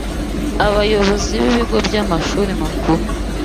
Abayobozi b'ibigo by'Amashuri Makuru